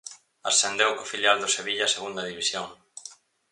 Ascendeu co filial do Sevilla a Segunda División.